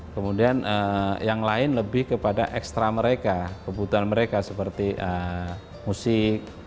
kemudian yang lain lebih kepada ekstra mereka kebutuhan mereka seperti musik